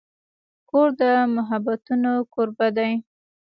کور د محبتونو کوربه دی.